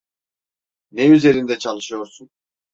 Ne üzerinde çalışıyorsun?